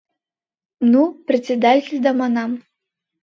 Ну, председательда манам.